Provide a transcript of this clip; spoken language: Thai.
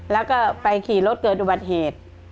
แล้วก็ไปขี่รถเกิดอุบัติเหตุ